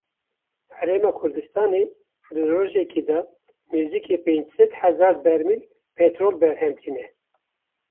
Herêma Kurdistanê di rojekê de nêzîkî pênc sed hezar bermîl petrol berhem tîne.